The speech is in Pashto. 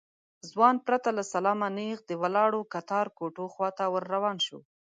ځوان پرته له سلامه نېغ د ولاړو کتار کوټو خواته ور روان شو.